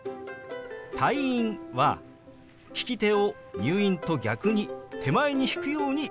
「退院」は利き手を「入院」と逆に手前に引くように動かしますよ。